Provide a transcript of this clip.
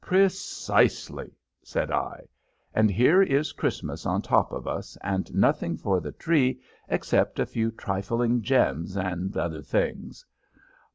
"Precisely," said I. "And here is Christmas on top of us and nothing for the tree except a few trifling gems and other things."